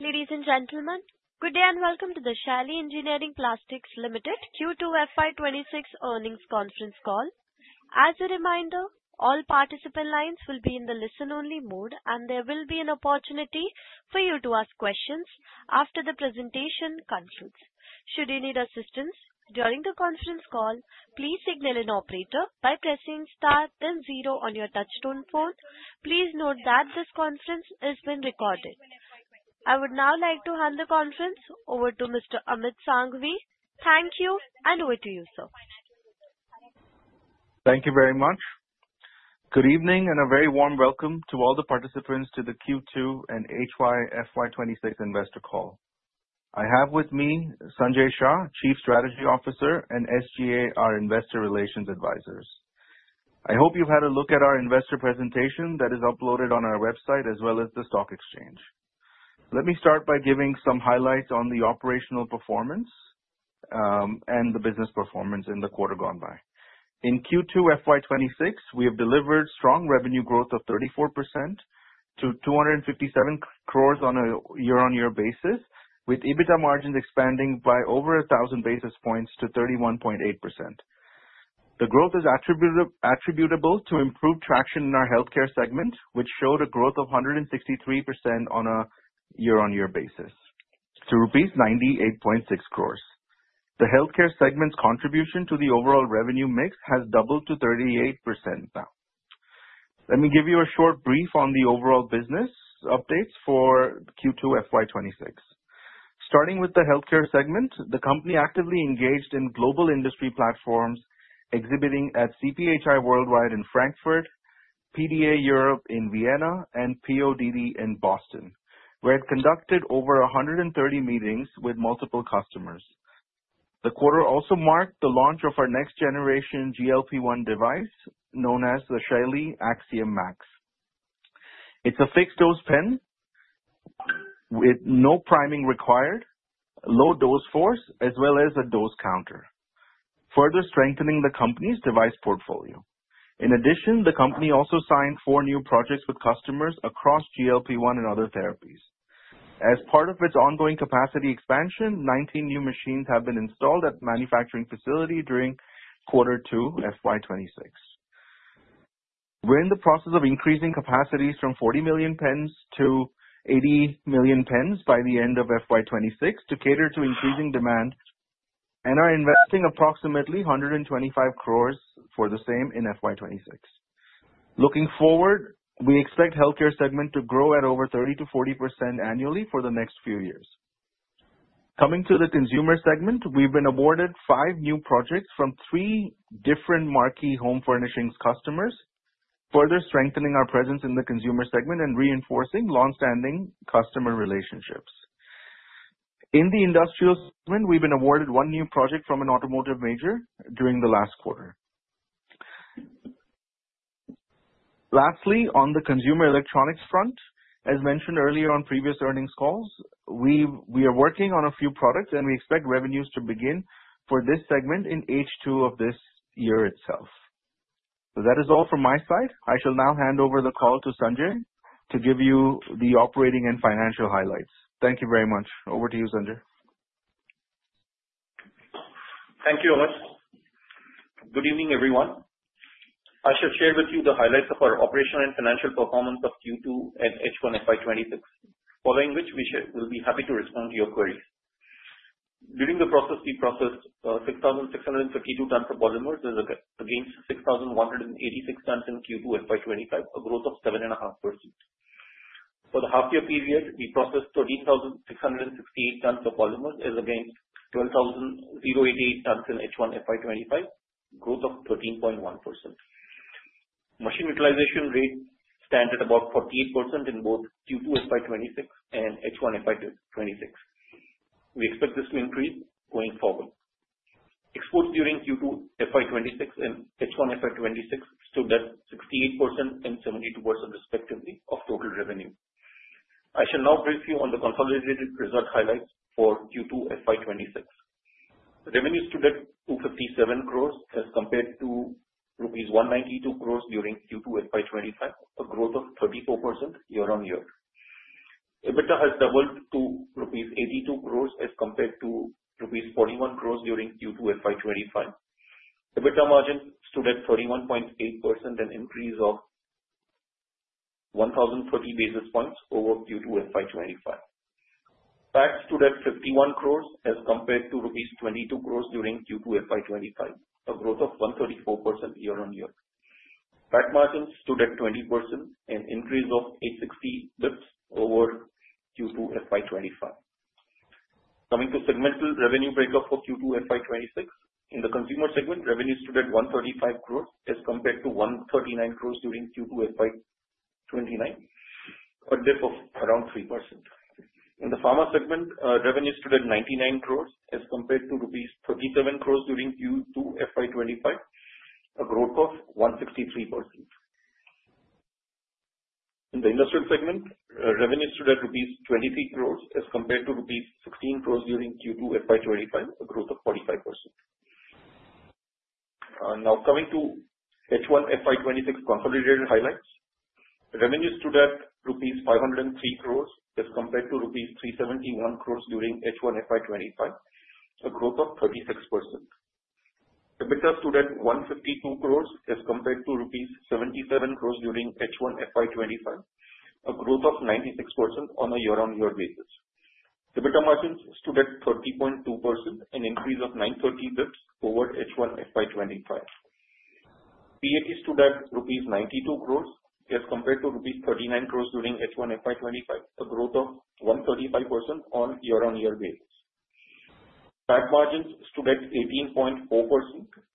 Ladies and gentlemen, good day. Welcome to the Shaily Engineering Plastics Limited Q2 FY 2026 earnings conference call. As a reminder, all participant lines will be in the listen only mode, and there will be an opportunity for you to ask questions after the presentation concludes. Should you need assistance during the conference call, please signal an operator by pressing star then 0 on your touchtone phone. Please note that this conference is being recorded. I would now like to hand the conference over to Mr. Amit Sanghvi. Thank you, and over to you, sir. Thank you very much. Good evening, a very warm welcome to all the participants to the Q2 and HY FY 2026 investor call. I have with me Sanjay Shah, Chief Strategy Officer and SGA, our investor relations advisors. I hope you've had a look at our investor presentation that is uploaded on our website as well as the stock exchange. Let me start by giving some highlights on the operational performance and the business performance in the quarter gone by. In Q2 FY 2026, we have delivered strong revenue growth of 34% to 257 crores on a year-on-year basis, with EBITDA margins expanding by over 1,000 basis points to 31.8%. The growth is attributable to improved traction in our healthcare segment, which showed a growth of 163% on a year-on-year basis to rupees 98.6 crores. The healthcare segment's contribution to the overall revenue mix has doubled to 38% now. Let me give you a short brief on the overall business updates for Q2 FY 2026. Starting with the healthcare segment, the company actively engaged in global industry platforms exhibiting at CPHI Worldwide in Frankfurt, PDA Europe in Vienna, and PODD in Boston, where it conducted over 130 meetings with multiple customers. The quarter also marked the launch of our next generation GLP-1 device, known as the Shaily Axiom Max. It's a fixed-dose pen with no priming required, low dose force, as well as a dose counter, further strengthening the company's device portfolio. In addition, the company also signed four new projects with customers across GLP-1 and other therapies. As part of its ongoing capacity expansion, 19 new machines have been installed at manufacturing facility during Q2 FY 2026. We're in the process of increasing capacities from 40 million pens to 80 million pens by the end of FY 2026 to cater to increasing demand and are investing approximately 125 crores for the same in FY 2026. Looking forward, we expect healthcare segment to grow at over 30%-40% annually for the next few years. Coming to the consumer segment, we've been awarded five new projects from three different marquee home furnishings customers, further strengthening our presence in the consumer segment and reinforcing longstanding customer relationships. In the industrial segment, we've been awarded one new project from an automotive major during the last quarter. Lastly, on the consumer electronics front, as mentioned earlier on previous earnings calls, we are working on a few products and we expect revenues to begin for this segment in H2 of this year itself. That is all from my side. I shall now hand over the call to Sanjay to give you the operating and financial highlights. Thank you very much. Over to you, Sanjay. Thank you, Amit. Good evening, everyone. I shall share with you the highlights of our operational and financial performance of Q2 and H1 FY 2026. Following which we will be happy to respond to your queries. During the process, we processed 6,652 tons of polymers as against 6,186 tons in Q2 FY 2025, a growth of 7.5%. For the half year period, we processed 30,668 tons of polymers as against 12,088 tons in H1 FY 2025, growth of 13.1%. Machine utilization rate stands at about 48% in both Q2 FY 2026 and H1 FY 2026. We expect this to increase going forward. Exports during Q2 FY 2026 and H1 FY 2026 stood at 68% and 72% respectively of total revenue. I shall now brief you on the consolidated result highlights for Q2 FY 2026. Revenue stood at 257 crores as compared to rupees 192 crores during Q2 FY 2025, a growth of 34% year-on-year. EBITDA has doubled to rupees 82 crores as compared to rupees 41 crores during Q2 FY 2025. EBITDA margin stood at 31.8%, an increase of 1,040 basis points over Q2 FY 2025. PAT stood at 51 crores as compared to rupees 22 crores during Q2 FY 2025, a growth of 134% year-on-year. PAT margin stood at 20%, an increase of 860 basis points over Q2 FY 2025. Coming to segmental revenue breakup for Q2 FY 2026. In the consumer segment, revenue stood at 135 crores as compared to 139 crores during Q2 FY 2029, a dip of around 3%. In the pharma segment, revenue stood at 99 crores as compared to rupees 37 crores during Q2 FY 2025, a growth of 163%. In the industrial segment, revenue stood at rupees 23 crores as compared to rupees 16 crores during Q2 FY 2025, a growth of 45%. Now coming to H1 FY 2026 consolidated highlights. Revenues stood at rupees 503 crores as compared to rupees 371 crores during H1 FY 2025, a growth of 36%. EBITDA stood at 152 crores as compared to rupees 77 crores during H1 FY 2025, a growth of 96% on a year-on-year basis. EBITDA margins stood at 30.2%, an increase of 930 basis points over H1 FY 2025. PAT stood at rupees 92 crores as compared to rupees 39 crores during H1 FY 2025, a growth of 135% on year-on-year basis. PAT margins stood at 18.4%,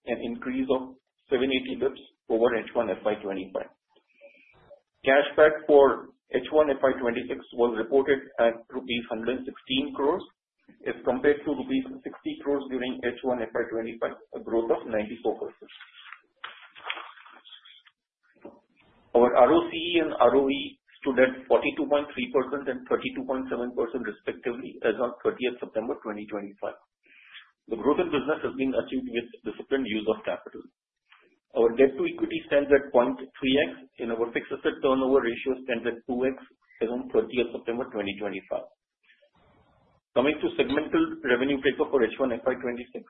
an increase of 780 basis points over H1 FY 2025. Cash PAT for H1 FY 2026 was reported at rupees 116 crores as compared to rupees 60 crores during H1 FY 2025, a growth of 94%. Our ROCE and ROE stood at 42.3% and 32.7% respectively as of 30th September 2025. The growth in business has been achieved with disciplined use of capital. Our debt to equity stands at 0.3x and our fixed asset turnover ratio stands at 2x as on 30th September 2025. Coming to segmental revenue breakup for H1 FY 2026.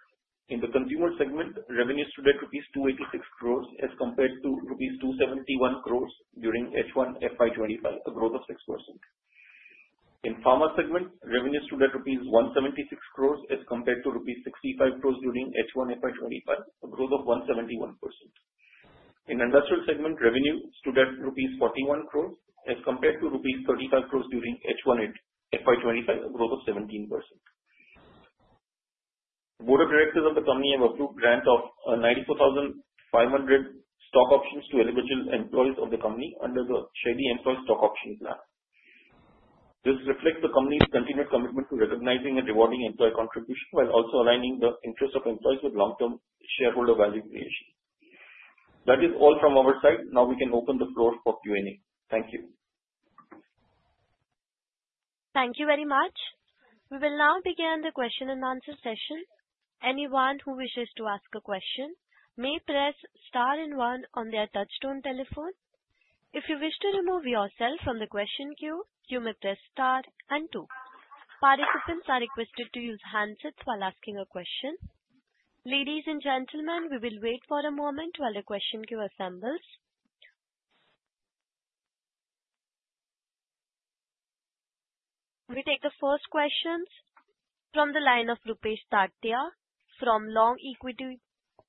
In the consumer segment, revenues stood at rupees 286 crores as compared to rupees 271 crores during H1 FY 2025, a growth of 6%. In pharma segment, revenues stood at rupees 176 crores as compared to rupees 65 crores during H1 FY 2025, a growth of 171%. In industrial segment, revenue stood at rupees 41 crores as compared to rupees 35 crores during H1 FY 2025, a growth of 17%. Board of directors of the company have approved grant of 94,500 stock options to eligible employees of the company under the Shaily Employee Stock Option Plan. This reflects the company's continued commitment to recognizing and rewarding employee contribution while also aligning the interests of employees with long-term shareholder value creation. That is all from our side. Now we can open the floor for Q&A. Thank you. Thank you very much. We will now begin the question and answer session. Anyone who wishes to ask a question may press star and one on their touchtone telephone. If you wish to remove yourself from the question queue, you may press star and two. Participants are requested to use handsets while asking a question. Ladies and gentlemen, we will wait for a moment while the question queue assembles. We take the first questions from the line of Rupesh Tatiya from Long Ridge Equity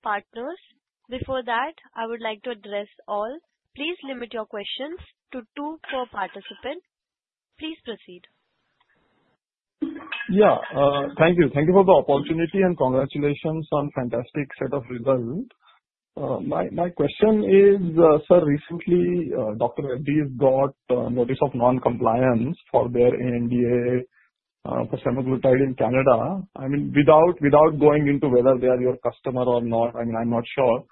Partners. Before that, I would like to address all, please limit your questions to two per participant. Please proceed. Yeah. Thank you. Thank you for the opportunity and congratulations on fantastic set of results. My question is, sir, recently, Dr. Reddy's got a notice of non-compliance for their NDA for semaglutide in Canada. I mean, without going into whether they are your customer or not, I'm not sure.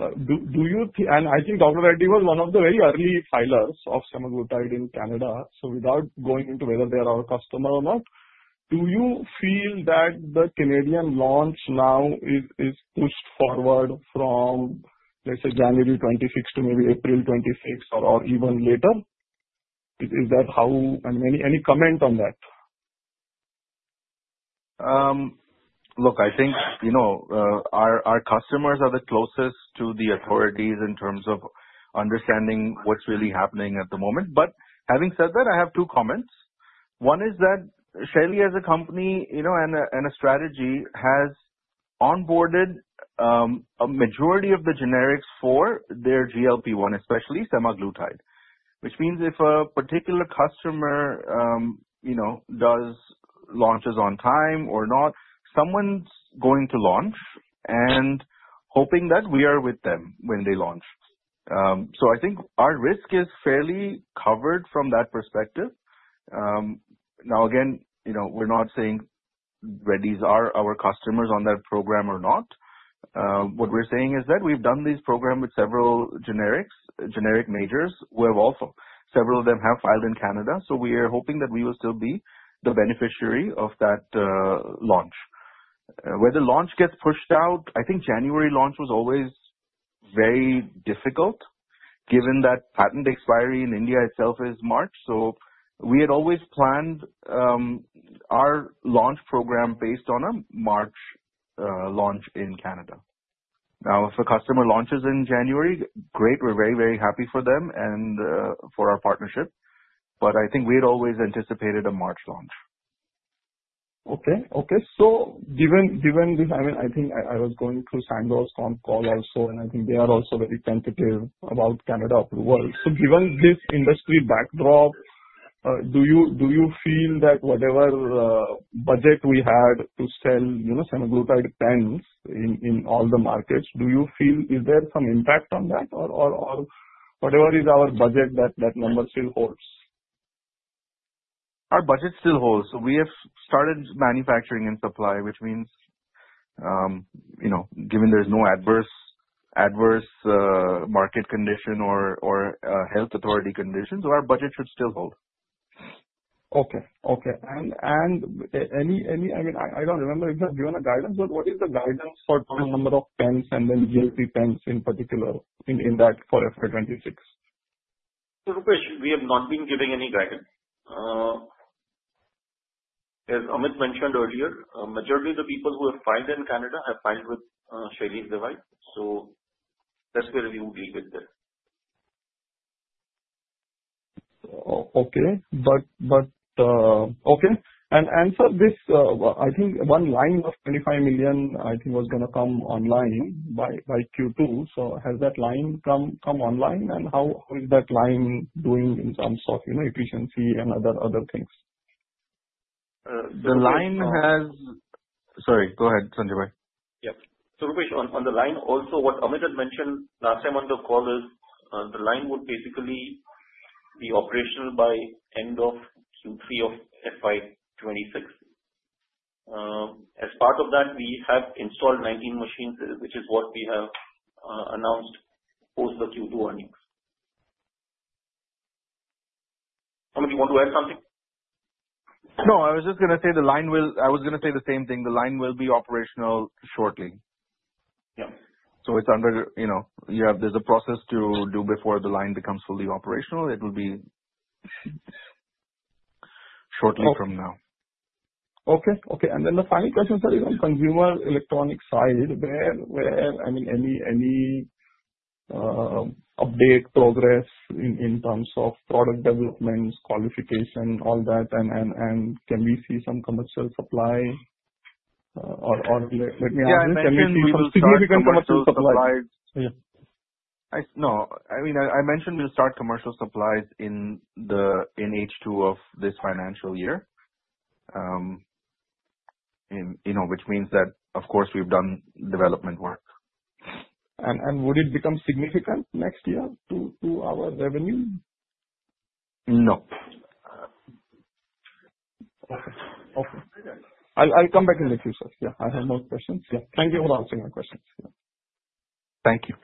I think Dr. Reddy was one of the very early filers of semaglutide in Canada. Without going into whether they are our customer or not, do you feel that the Canadian launch now is pushed forward from, let's say, January 2026 to maybe April 2026, or even later? Any comment on that? I think our customers are the closest to the authorities in terms of understanding what's really happening at the moment. Having said that, I have two comments. One is that Shaily as a company and a strategy has onboarded a majority of the generics for their GLP-1, especially semaglutide. If a particular customer does launches on time or not, someone's going to launch and hoping that we are with them when they launch. I think our risk is fairly covered from that perspective. Again, we're not saying Reddy's are our customers on that program or not. We're saying is that we've done this program with several generic majors. Several of them have filed in Canada. We are hoping that we will still be the beneficiary of that launch. Whether launch gets pushed out, I think January launch was always very difficult given that patent expiry in India itself is March. We had always planned our launch program based on a March launch in Canada. If a customer launches in January, great. We're very happy for them and for our partnership. I think we had always anticipated a March launch. Given this, I think I was going through Sandoz con call also, and I think they are also very tentative about Canada approval. Given this industry backdrop, do you feel that whatever budget we had to sell semaglutide pens in all the markets, is there some impact on that? Whatever is our budget, that number still holds? Our budget still holds. We have started manufacturing and supply, given there is no adverse market condition or health authority condition, our budget should still hold. Okay. I don't remember if you have given a guidance, but what is the guidance for total number of pens and then GLP-1 pens in particular for FY 2026? Rupesh, we have not been giving any guidance. As Amit mentioned earlier, majority of the people who have filed in Canada have filed with Shaily Device, that's where we would be with this. Okay. Sir, I think one line of 25 million was going to come online by Q2. Has that line come online, and how is that line doing in terms of efficiency and other things? The line. Sorry, go ahead, Sanjay Shah. Yep. Rupesh, on the line also, what Amit had mentioned last time on the call is, the line would basically be operational by end of Q3 of FY 2026. As part of that, we have installed 19 machines, which is what we have announced post the Q2 earnings. Amit, you want to add something? No, I was going to say the same thing. The line will be operational shortly. Yeah. There's a process to do before the line becomes fully operational. It will be shortly from now. Okay. The final question, sir, is on consumer electronic side. Any update, progress in terms of product developments, qualification, all that, and can we see some commercial supply? Yeah. Can we see some significant commercial supply? No. I mentioned we'll start commercial supplies in H2 of this financial year, which means that, of course, we've done development work. Would it become significant next year to our revenue? No. Okay. I'll come back in the future, sir. Yeah, I have no questions. Thank you for answering my questions. Thank you.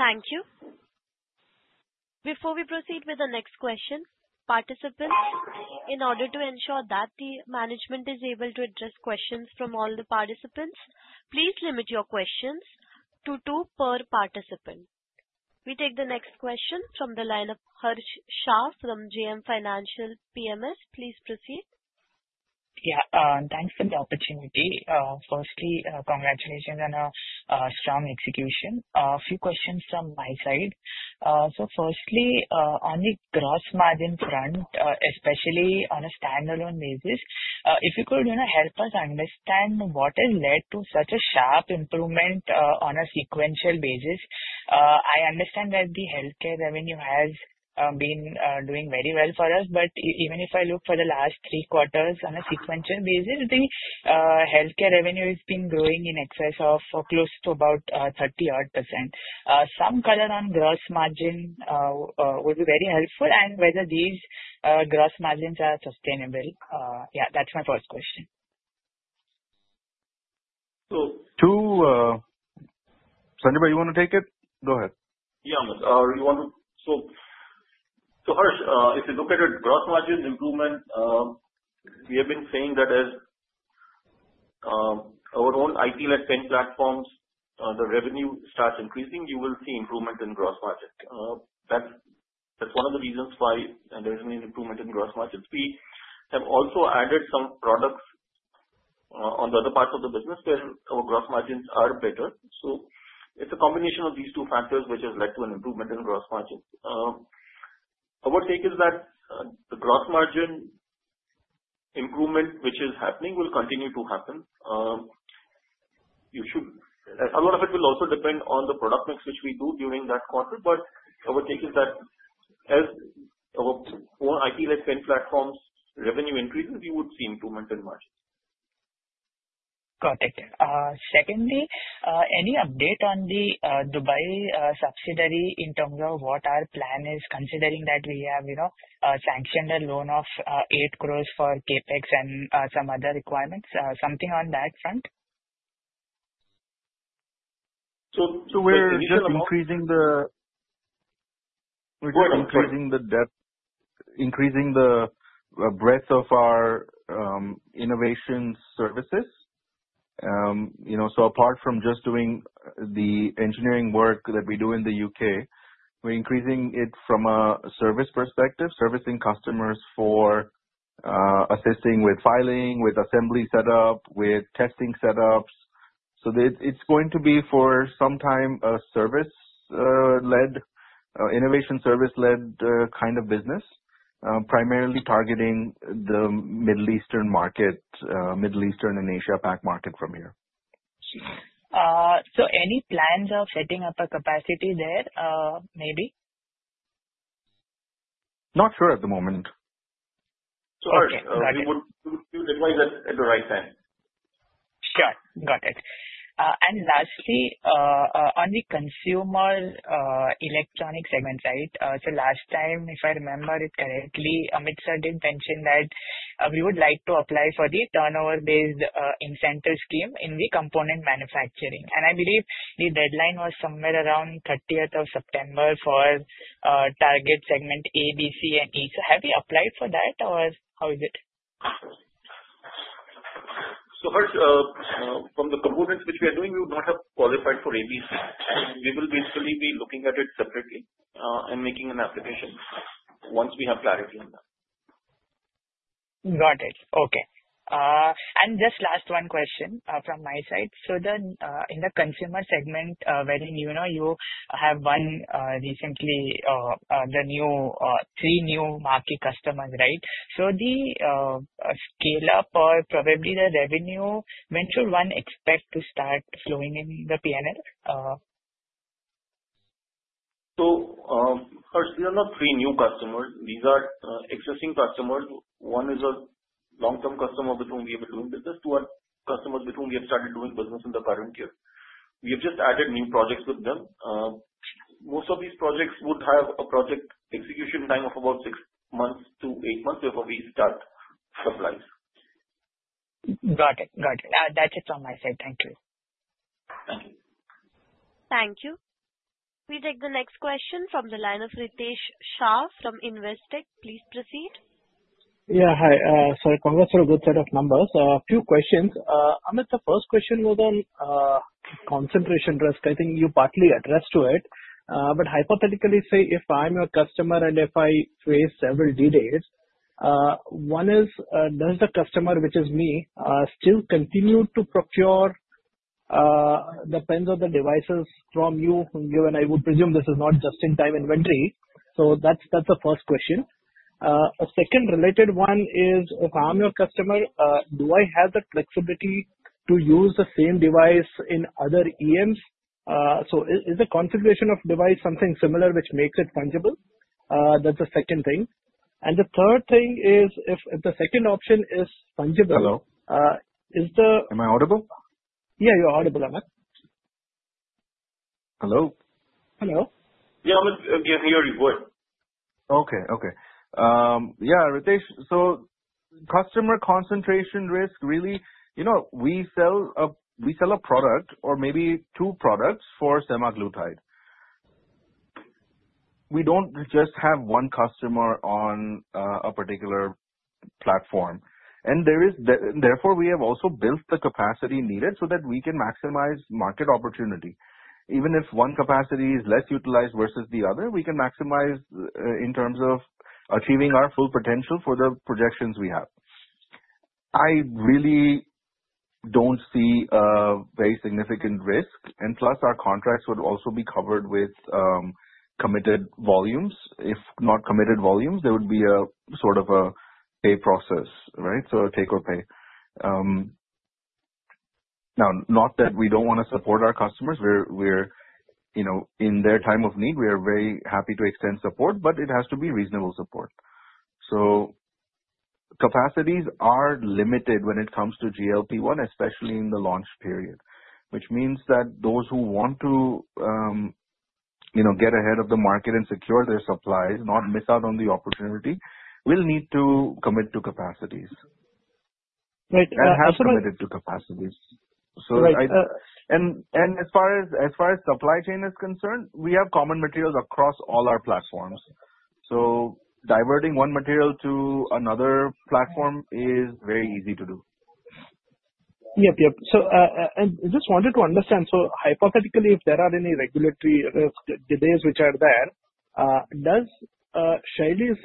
Thank you. Before we proceed with the next question, participants, in order to ensure that the management is able to address questions from all the participants, please limit your questions to two per participant. We take the next question from the line of Harsh Shah from JM Financial PMS. Please proceed. Yeah. Thanks for the opportunity. Firstly, congratulations on a strong execution. Few questions from my side. Firstly, on the gross margin front, especially on a standalone basis, if you could help us understand what has led to such a sharp improvement on a sequential basis. I understand that the healthcare revenue has been doing very well for us, but even if I look for the last three quarters on a sequential basis, the healthcare revenue has been growing in excess of close to about 30%. Some color on gross margin will be very helpful, and whether these gross margins are sustainable. Yeah, that's my first question. Sanjay Shah, you want to take it? Go ahead. Amit. Harsh, if you look at gross margins improvement, we have been saying that as our own IP-led pen platforms, the revenue starts increasing, you will see improvement in gross margin. That's one of the reasons why there has been an improvement in gross margins. We have also added some products on the other parts of the business where our gross margins are better. It's a combination of these two factors which has led to an improvement in gross margins. Our take is that the gross margin improvement which is happening will continue to happen. A lot of it will also depend on the product mix which we do during that quarter. Our take is that as our own IP-led pen platforms revenue increases, we would see improvement in margins. Got it. Secondly, any update on the Dubai subsidiary in terms of what our plan is, considering that we have sanctioned a loan of 8 crores for CapEx and some other requirements? Something on that front? We're just increasing the breadth of our innovation services. Apart from just doing the engineering work that we do in the U.K., we're increasing it from a service perspective, servicing customers for assisting with filing, with assembly setup, with testing setups. It's going to be for some time, an innovation service-led kind of business, primarily targeting the Middle Eastern and Asia-Pac market from here. Any plans of setting up a capacity there, maybe? Not sure at the moment. Harsh. Okay. Got it. We would advise that at the right time. Sure. Got it. Lastly, on the consumer electronic segment. Last time, if I remember it correctly, Amit sir did mention that we would like to apply for the turnover-based incentive scheme in the component manufacturing. I believe the deadline was somewhere around 30th of September for target segment A, B, C and E. Have you applied for that, or how is it? From the components which we are doing, we would not have qualified for A, B, C. We will basically be looking at it separately and making an application once we have clarity on that. Got it. Okay. Just last one question from my side. In the consumer segment wherein you have won recently the three new Marquee customers, right? The scale-up or probably the revenue, when should one expect to start flowing in the P&L? First, these are not three new customers. These are existing customers. One is a long-term customer with whom we have been doing business. Two are customers with whom we have started doing business in the current year. We have just added new projects with them. Most of these projects would have a project execution time of about six months to eight months before we start supplies. Got it. That's it from my side. Thank you. Thank you. Thank you. We take the next question from the line of Ritesh Shah from Investec. Please proceed. Yeah. Hi. Sorry. Congrats for a good set of numbers. Amit, the first question was on concentration risk. I think you partly addressed to it. Hypothetically, say, if I'm your customer and if I face several delays, one is, does the customer, which is me, still continue to procure the pens or the devices from you, given I would presume this is not just-in-time inventory. That's the first question. Second related one is, if I'm your customer, do I have the flexibility to use the same device in other EMs? Is the configuration of device something similar which makes it fungible? That's the second thing. The third thing is, if the second option is fungible. Hello? Is the. Am I audible? Yeah, you're audible, Amit. Hello? Hello. Yeah, we can hear you well. Okay. Yeah, Ritesh. Customer concentration risk, really, we sell a product or maybe two products for semaglutide. We don't just have one customer on a particular platform. Therefore, we have also built the capacity needed so that we can maximize market opportunity. Even if one capacity is less utilized versus the other, we can maximize in terms of achieving our full potential for the projections we have. I really don't see a very significant risk. Plus, our contracts would also be covered with committed volumes. If not committed volumes, there would be a sort of a pay process, right? Take or pay. Now, not that we don't want to support our customers. In their time of need, we are very happy to extend support, but it has to be reasonable support. Capacities are limited when it comes to GLP-1, especially in the launch period. Which means that those who want to get ahead of the market and secure their supplies, not miss out on the opportunity, will need to commit to capacities. Right. Have committed to capacities. Right. As far as supply chain is concerned, we have common materials across all our platforms, so diverting one material to another platform is very easy to do. Yep. Just wanted to understand. Hypothetically, if there are any regulatory risk delays which are there, does Shaily's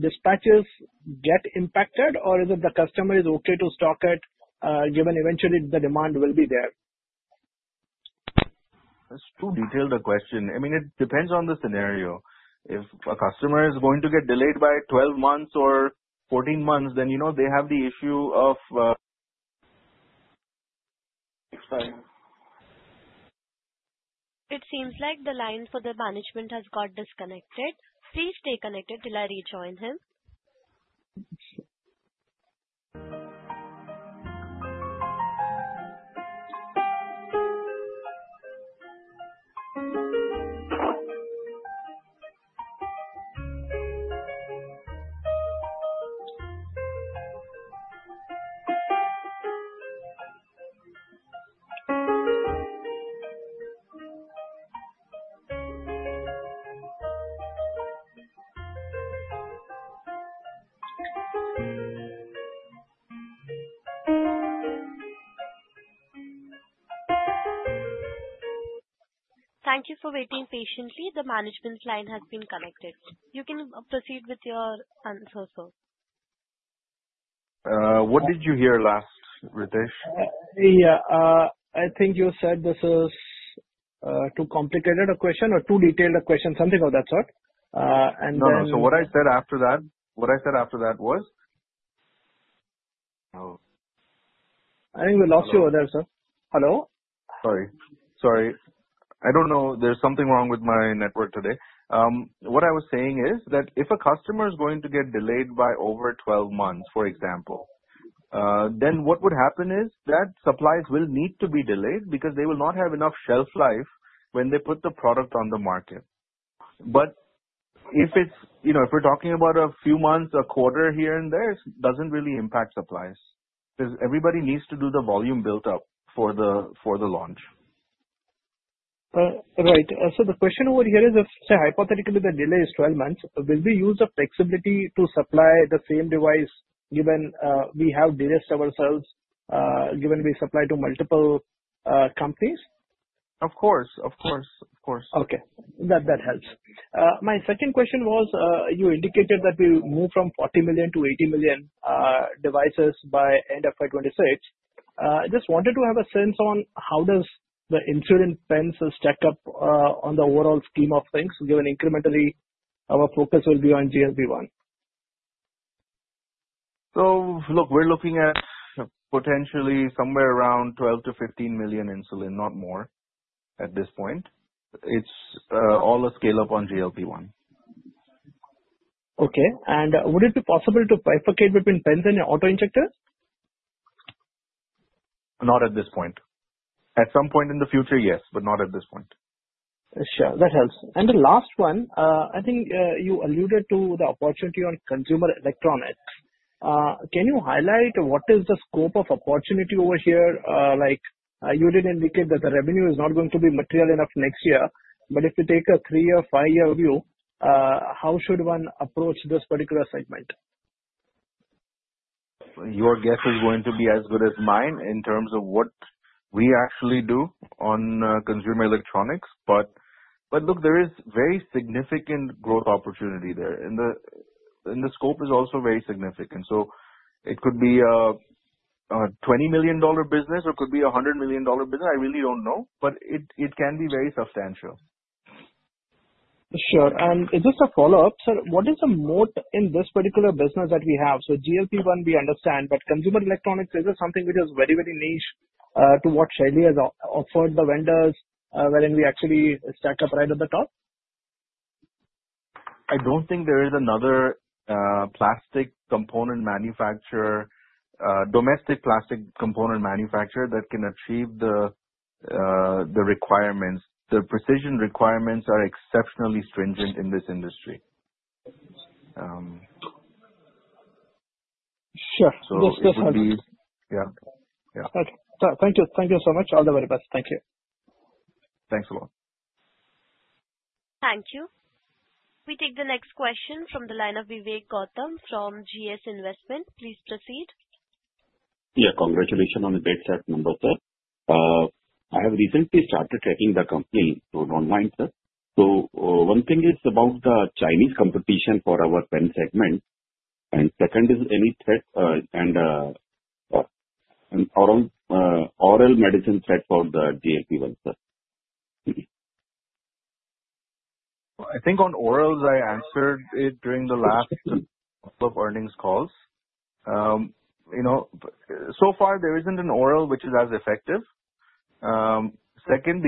dispatches get impacted or is it the customer is okay to stock it given eventually the demand will be there? That's too detailed a question. It depends on the scenario. If a customer is going to get delayed by 12 months or 14 months, then they have the issue of It seems like the line for the management has got disconnected. Please stay connected till I rejoin him. Thank you for waiting patiently. The management's line has been connected. You can proceed with your answer, sir. What did you hear last, Ritesh? I think you said this is too complicated a question or too detailed a question, something of that sort. No, what I said after that was Oh. I think we lost you there, sir. Hello? Sorry. I don't know. There's something wrong with my network today. What I was saying is that if a customer is going to get delayed by over 12 months, for example, then what would happen is that supplies will need to be delayed because they will not have enough shelf life when they put the product on the market If we're talking about a few months, a quarter here and there, it doesn't really impact supplies, because everybody needs to do the volume build-up for the launch. Right. The question over here is, say, hypothetically, the delay is 12 months, will we use the flexibility to supply the same device given we have de-risked ourselves, given we supply to multiple companies? Of course. Okay. That helps. My second question was, you indicated that we'll move from 40 million to 80 million devices by end of FY 2026. I just wanted to have a sense on how does the insulin pens stack up on the overall scheme of things, given incrementally our focus will be on GLP-1. Look, we're looking at potentially somewhere around 12 million-15 million insulin, not more at this point. It's all a scale-up on GLP-1. Okay. Would it be possible to bifurcate between pens and your auto-injectors? Not at this point. At some point in the future, yes, but not at this point. Sure. That helps. The last one, I think you alluded to the opportunity on consumer electronics. Can you highlight what is the scope of opportunity over here? You did indicate that the revenue is not going to be material enough next year, but if we take a three-year, five-year view, how should one approach this particular segment? Your guess is going to be as good as mine in terms of what we actually do on consumer electronics. Look, there is very significant growth opportunity there, and the scope is also very significant. It could be a $20 million business, or it could be a $100 million business, I really don't know. It can be very substantial. Sure. Just a follow-up. Sir, what is the moat in this particular business that we have? GLP-1, we understand, but consumer electronics, is it something which is very niche to what Shaily has offered the vendors, wherein we actually stack up right at the top? I don't think there is another domestic plastic component manufacturer that can achieve the requirements. The precision requirements are exceptionally stringent in this industry. Sure. This just helps. Yeah. Okay. Thank you so much. All the very best. Thank you. Thanks a lot. Thank you. We take the next question from the line of Vivek Gautam from Goldman Sachs. Please proceed. Yeah. Congratulations on the great set number, sir. I have recently started tracking the company, so don't mind, sir. One thing is about the Chinese competition for our pen segment. Second is any oral medicine threat for the GLP-1, sir. I think on orals, I answered it during the last of earnings calls. Far there isn't an oral which is as effective. Second,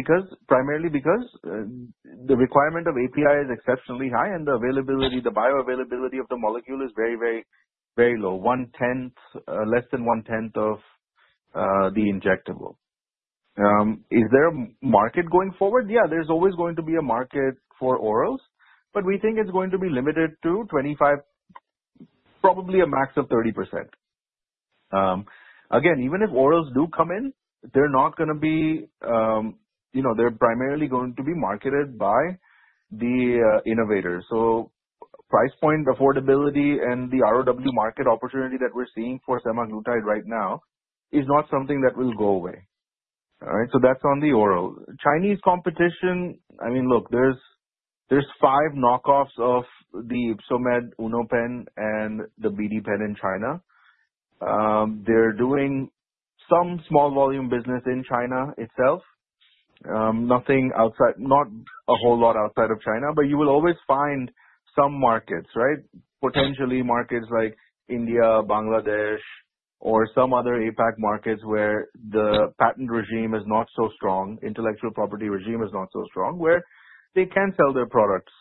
primarily because the requirement of API is exceptionally high and the bioavailability of the molecule is very low, less than one-tenth of the injectable. Is there a market going forward? Yeah, there's always going to be a market for orals, but we think it's going to be limited to 25, probably a max of 30%. Again, even if orals do come in, they're primarily going to be marketed by the innovators. Price point affordability and the ROW market opportunity that we're seeing for semaglutide right now is not something that will go away. All right? That's on the orals. Chinese competition, look, there's five knockoffs of the Ypsomed UnoPen and the BD Pen in China. They're doing some small volume business in China itself. Not a whole lot outside of China, but you will always find some markets, right? Potentially markets like India, Bangladesh, or some other Asia-Pac markets where the patent regime is not so strong, intellectual property regime is not so strong, where they can sell their products.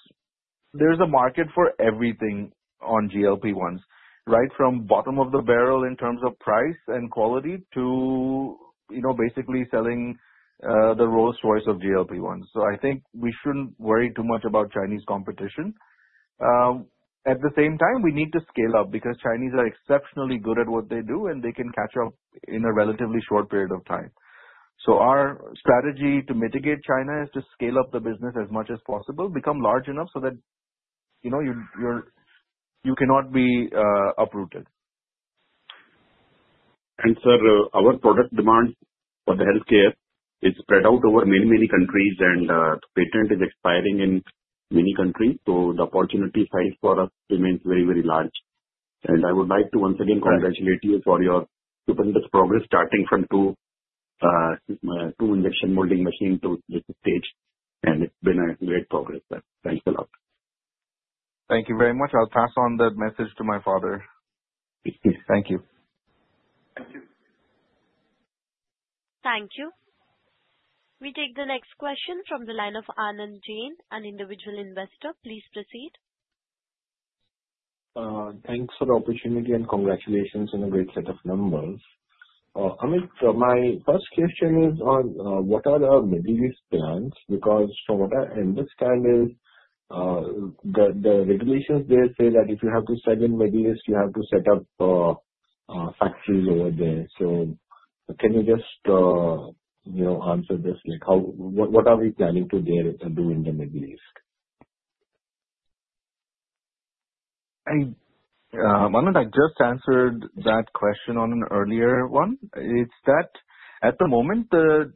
There's a market for everything on GLP-1s, right from bottom of the barrel in terms of price and quality to basically selling the Rolls Royce of GLP-1s. I think we shouldn't worry too much about Chinese competition. At the same time, we need to scale up, because Chinese are exceptionally good at what they do, and they can catch up in a relatively short period of time. Our strategy to mitigate China is to scale up the business as much as possible, become large enough so that you cannot be uprooted. Sir, our product demand for the healthcare is spread out over many countries, and patent is expiring in many countries, so the opportunity size for us remains very large. I would like to once again congratulate you for your stupendous progress starting from two injection molding machine to this stage, and it's been a great progress, sir. Thanks a lot. Thank you very much. I'll pass on that message to my father. Thank you. Thank you. We take the next question from the line of Anand Jain, an individual investor. Please proceed. Thanks for the opportunity and congratulations on a great set of numbers. Amit, my first question is on what are the Middle East plans? Because from what I understand is, the regulations there say that if you have to sell in Middle East, you have to set up factories over there. Can you just answer this, what are we planning to do in the Middle East? Anand, I just answered that question on an earlier one. It's that at the moment, the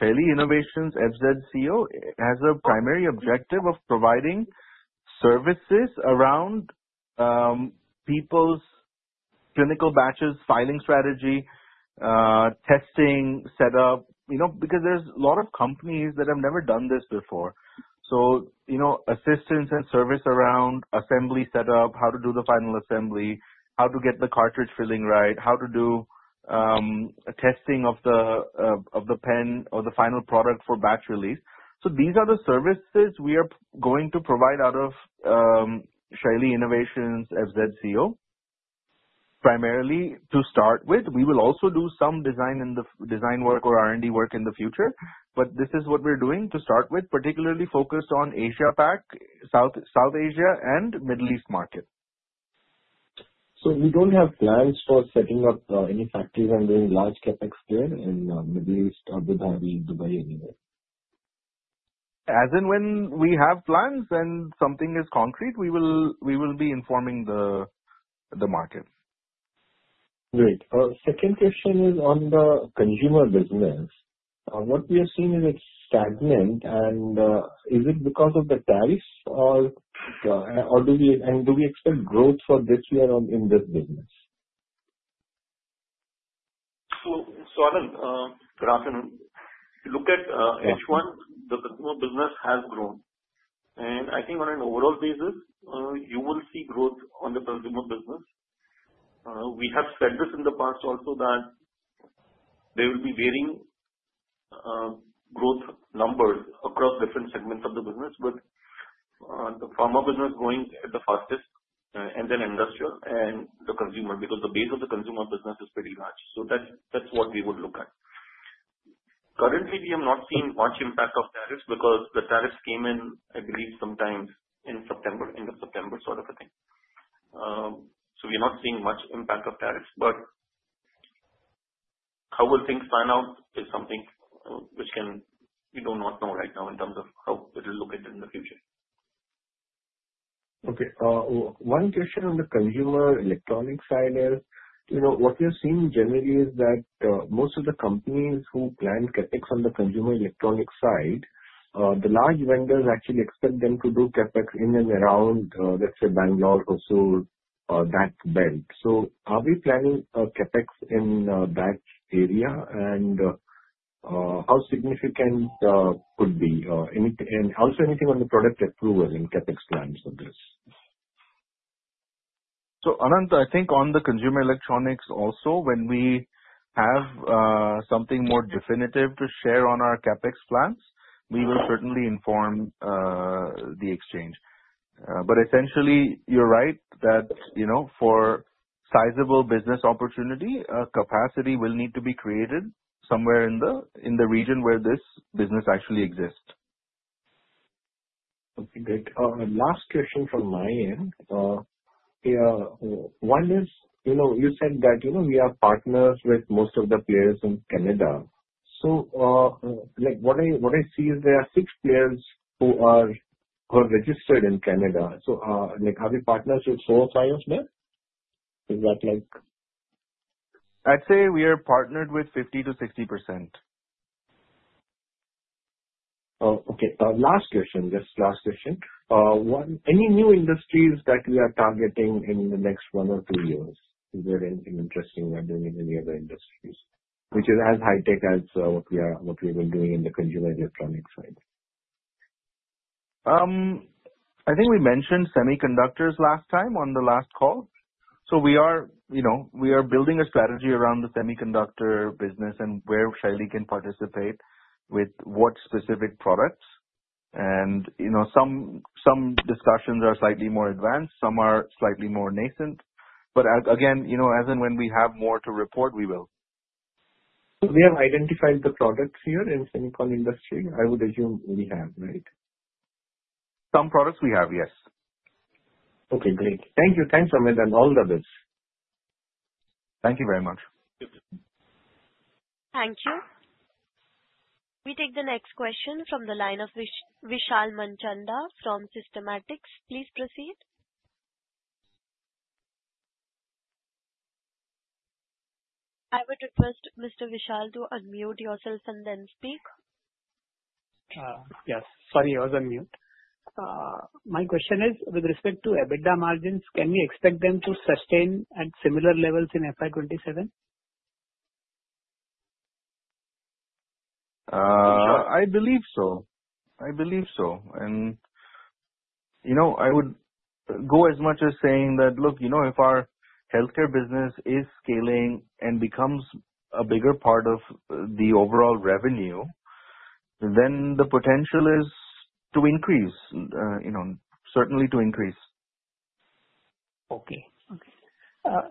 Shaily Innovations FZCO has a primary objective of providing services around people's clinical batches, filing strategy, testing set up. Because there's a lot of companies that have never done this before. Assistance and service around assembly set up, how to do the final assembly, how to get the cartridge filling right, how to do testing of the pen or the final product for batch release. These are the services we are going to provide out of Shaily Innovations FZCO, primarily to start with. We will also do some design work or R&D work in the future. This is what we're doing to start with, particularly focused on Asia-Pac, South Asia and Middle East market. You don't have plans for setting up any factories and doing large CapEx there in Middle East, Abu Dhabi, Dubai, anywhere? As and when we have plans and something is concrete, we will be informing the market. Great. Second question is on the consumer business. What we are seeing is it's stagnant and is it because of the tariffs or do we expect growth for this year on in this business? Anand, good afternoon. If you look at H1, the consumer business has grown. I think on an overall basis, you will see growth on the consumer business. We have said this in the past also that there will be varying growth numbers across different segments of the business, but the pharma business growing at the fastest, and then industrial and the consumer, because the base of the consumer business is pretty large. That's what we would look at. Currently, we have not seen much impact of tariffs because the tariffs came in, I believe, sometime in September, end of September sort of a thing. We are not seeing much impact of tariffs, but how will things pan out is something which we do not know right now in terms of how it'll look at in the future. Okay. One question on the consumer electronics side is, what we are seeing generally is that most of the companies who plan CapEx on the consumer electronics side, the large vendors actually expect them to do CapEx in and around, let's say Bangalore also, that belt. Are we planning a CapEx in that area, and how significant could be? Also anything on the product approvals and CapEx plans for this. Anand, I think on the consumer electronics also, when we have something more definitive to share on our CapEx plans, we will certainly inform the exchange. Essentially, you are right that for sizable business opportunity, a capacity will need to be created somewhere in the region where this business actually exists. Okay, great. Last question from my end. One is, you said that we are partners with most of the players in Canada. What I see is there are six players who are registered in Canada. Have we partnered with four or five of them? I'd say we are partnered with 50% to 60%. Oh, okay. Last question. Just last question. Any new industries that we are targeting in the next 1 or 2 years? Is there anything interesting we are doing in any other industries which is as high tech as what we have been doing in the consumer electronics side? I think we mentioned semiconductors last time on the last call. We are building a strategy around the semiconductor business and where Shaily can participate with what specific products. Some discussions are slightly more advanced, some are slightly more nascent. Again, as and when we have more to report, we will. We have identified the products here in semicon industry? I would assume we have, right? Some products we have, yes. Okay, great. Thank you. Thanks, Amit, and all the best. Thank you very much. Thank you. Thank you. We take the next question from the line of Vishal Manchanda from Systematix. Please proceed. I would request Mr. Vishal to unmute yourself and then speak. Yes. Sorry, I was on mute. My question is, with respect to EBITDA margins, can we expect them to sustain at similar levels in FY 2027? I believe so. I believe so. I would go as much as saying that, look, if our healthcare business is scaling and becomes a bigger part of the overall revenue, the potential is to increase, certainly to increase. Okay.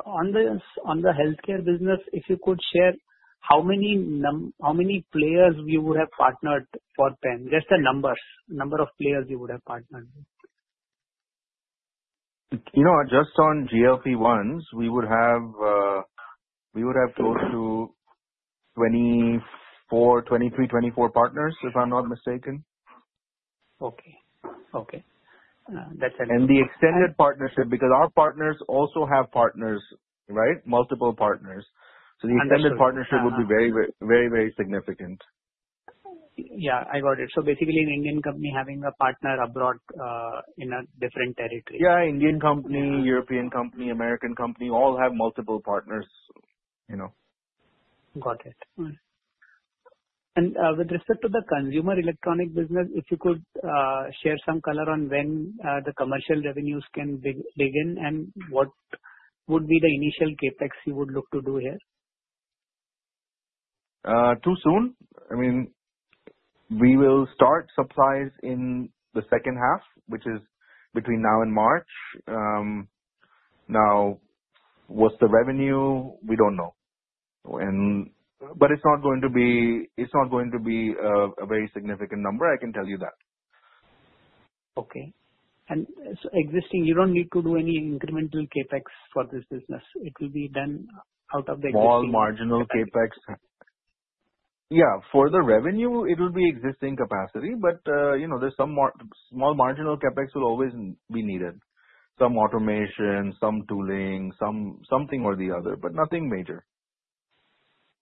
On the healthcare business, if you could share how many players you would have partnered for pen. Just the numbers, number of players you would have partnered with. Just on GLP-1s, we would have close to 23, 24 partners, if I'm not mistaken. Okay. That's. The extended partnership, because our partners also have partners, multiple partners. Understood. The extended partnership would be very significant. Yeah, I got it. Basically an Indian company having a partner abroad, in a different territory. Yeah. Indian company, European company, American company, all have multiple partners. Got it. With respect to the consumer electronic business, if you could share some color on when the commercial revenues can begin and what would be the initial CapEx you would look to do here? Too soon. We will start supplies in the second half, which is between now and March. What's the revenue? We don't know. It's not going to be a very significant number, I can tell you that. Okay. Existing, you don't need to do any incremental CapEx for this business. It will be done out of the existing. Small marginal CapEx. Yeah. For the revenue, it will be existing capacity. There's some small marginal CapEx will always be needed. Some automation, some tooling, something or the other, nothing major.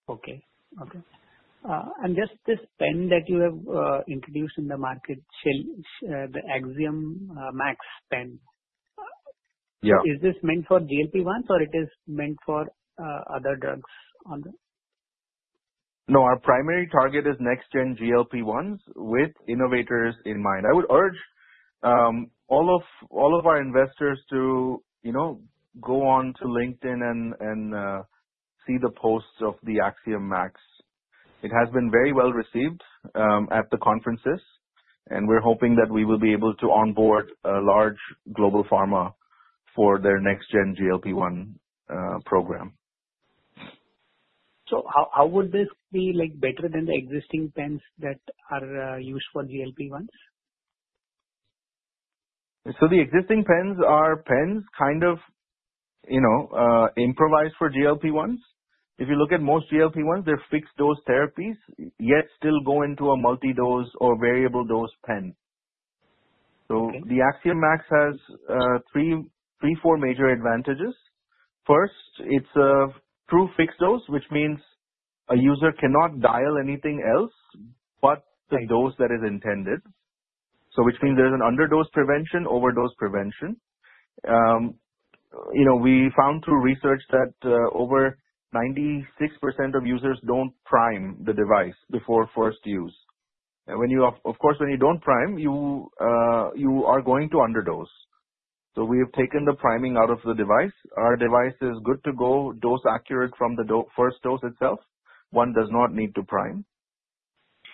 Okay. Just this pen that you have introduced in the market, the Axiom Max pen. Yeah. Is this meant for GLP-1s or it is meant for other drugs on them? No, our primary target is next-gen GLP-1s with innovators in mind. I would urge all of our investors to go on to LinkedIn and see the posts of the Axiom Max. It has been very well-received at the conferences, we're hoping that we will be able to onboard a large global pharma for their next-gen GLP-1 program. How would this be better than the existing pens that are used for GLP-1s? The existing pens are pens kind of improvised for GLP-1s. If you look at most GLP-1s, they're fixed-dose therapies, yet still go into a multi-dose or variable-dose pen. Okay. The Axiom Max has three, four major advantages. First, it's a true fixed dose, which means a user cannot dial anything else but the dose that is intended. Which means there's an under-dose prevention, overdose prevention. We found through research that over 96% of users don't prime the device before first use. Of course, when you don't prime, you are going to under-dose. We have taken the priming out of the device. Our device is good to go, dose accurate from the first dose itself. One does not need to prime.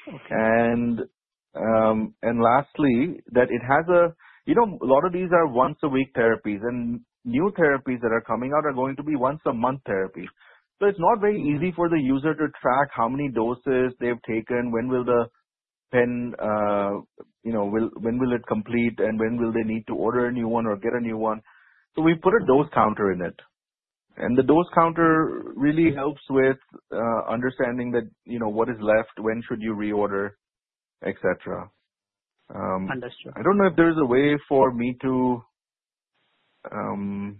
Okay. Lastly, a lot of these are once-a-week therapies, and new therapies that are coming out are going to be once-a-month therapies. It's not very easy for the user to track how many doses they've taken, when will the pen complete, and when will they need to order a new one or get a new one. We put a dose counter in it, and the dose counter really helps with understanding what is left, when should you reorder, et cetera. Understood. I don't know if there is a way for me to post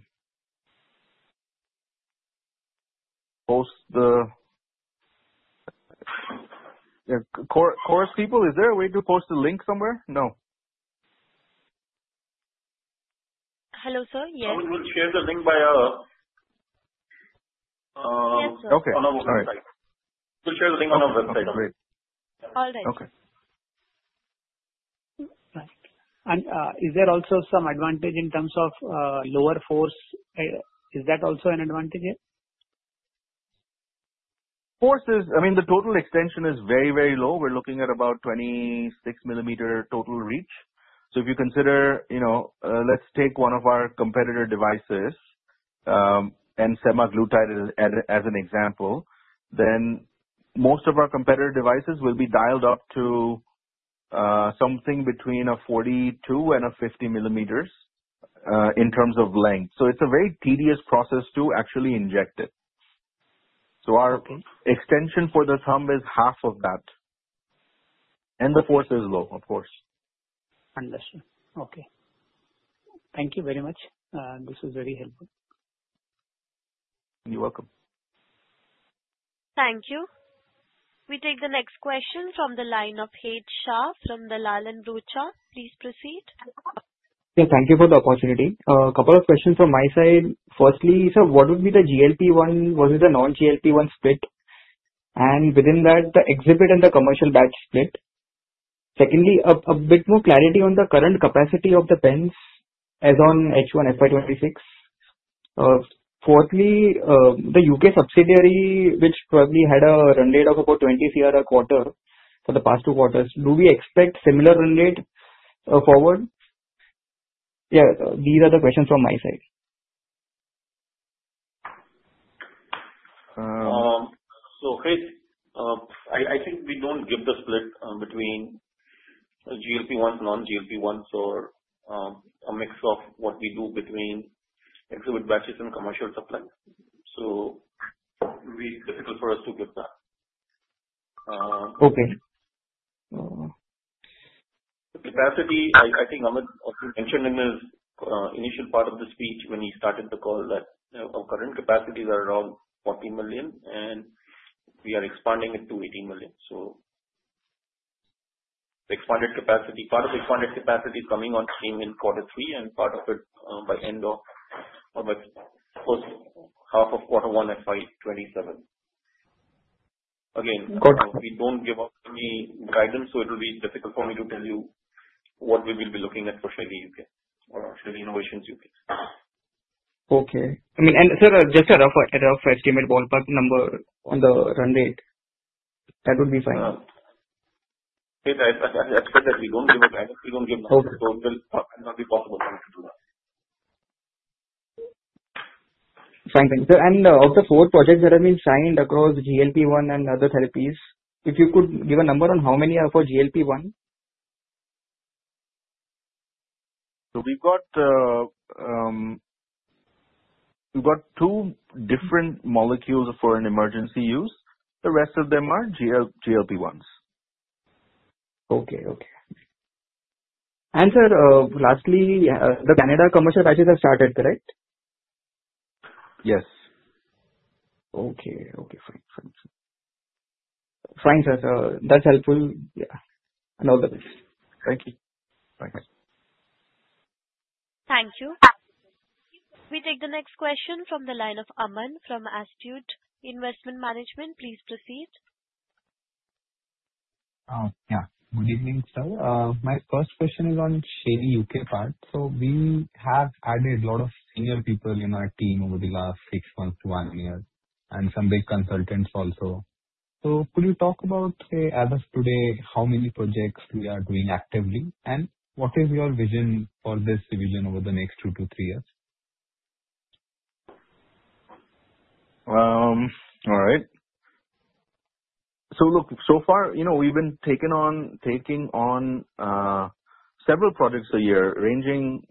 the Chorus people, is there a way to post a link somewhere? No. Hello, sir. Yes. We will share the link on our website. Yes, sir. Okay, all right. We'll share the link on our website. All right. Okay. Right. Is there also some advantage in terms of lower force? Is that also an advantage here? The total extension is very low. We're looking at about 26-millimeter total reach. If you consider, let's take one of our competitor devices, and semaglutide as an example, then most of our competitor devices will be dialed up to something between 42 and 50 millimeters in terms of length. It's a very tedious process to actually inject it. Okay. Our extension for the thumb is half of that, and the force is low, of course. Understood. Okay. Thank you very much. This is very helpful. You're welcome. Thank you. We take the next question from the line of Harsh Shah from Dalal & Broacha. Please proceed. Thank you for the opportunity. A couple of questions from my side. Firstly, sir, what would be the GLP-1 versus the non-GLP-1 split, and within that, the exhibit and the commercial batch split? Secondly, a bit more clarity on the current capacity of the pens as on H1 FY 2026. Fourthly, the U.K. subsidiary, which probably had a run rate of about 20 crore a quarter for the past two quarters, do we expect similar run rate forward? These are the questions from my side. Keith, I think we don't give the split between GLP-1, non-GLP-1s or a mix of what we do between exhibit batches and commercial supply. It will be difficult for us to give that. Okay. The capacity, I think Amit also mentioned in his initial part of the speech when he started the call that our current capacities are around 40 million and we are expanding it to 80 million. Part of expanded capacity is coming on stream in quarter 3 and part of it by end of what? First half of quarter 1 FY 2027. Got it. We don't give out any guidance, it'll be difficult for me to tell you what we will be looking at for Shaily UK or Shaily Innovations UK. Okay. Sir, just a rough estimate ballpark number on the run rate. That would be fine. Keith, as I said, we don't give a guidance. We don't give numbers. Okay. It's not possible for me to do that. Thank you. Of the four projects that have been signed across GLP-1 and other therapies, if you could give a number on how many are for GLP-1. We've got two different molecules for an emergency use. The rest of them are GLP-1s. Okay. Sir, lastly, the Canada commercial batches have started, correct? Yes. Okay. Fine. Thanks, sir. That's helpful. Yeah. All the best. Thank you. Bye. Thank you. We take the next question from the line of Aman from Astute Investment Management. Please proceed. Yeah. Good evening, sir. My first question is on Shaily UK part. We have added a lot of senior people in our team over the last six months to one year, some big consultants also. Could you talk about, say, as of today, how many projects we are doing actively, and what is your vision for this division over the next two to three years? All right. We've been taking on several projects a year, ranging from